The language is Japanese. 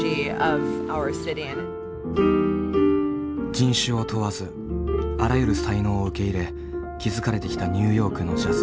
人種を問わずあらゆる才能を受け入れ築かれてきたニューヨークのジャズ。